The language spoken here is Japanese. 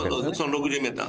６０メーター。